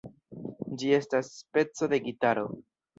Ĝi estas speco de gitaro.